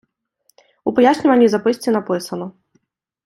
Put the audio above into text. У пояснювальній записці написано.